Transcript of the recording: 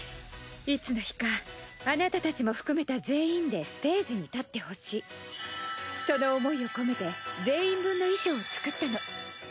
いつの日かあなたたちも含めた全員でステージに立ってほしいその思いを込めて全員分の衣装を作ったの。